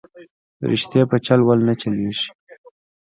رشتې په چل ول نه چلېږي